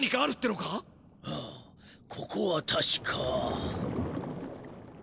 ああここはたしか。